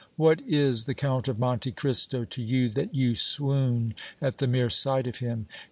What is the Count of Monte Cristo to you that you swoon at the mere sight of him?